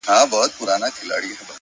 پرمختګ د ځان له پرونۍ بڼې وړاندې تګ دی